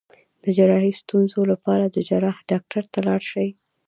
د جراحي ستونزو لپاره د جراح ډاکټر ته لاړ شئ